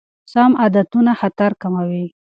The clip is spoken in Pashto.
سم عادتونه خطر کموي.